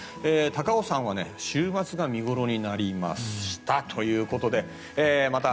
高尾山は週末が見頃になりましたということでまた